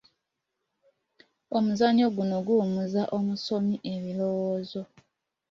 Omuzannyo guno guwummuza omusomi ebirowoozo.